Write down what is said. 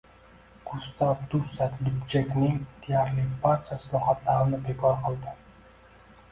Gustav Gusak Dubchekning deyarli barcha islohotlarini bekor qildi.